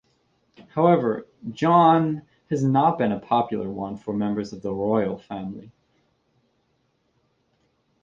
However, "John" has not been a popular one for members of the royal family.